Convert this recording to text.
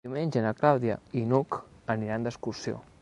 Diumenge na Clàudia i n'Hug aniran d'excursió.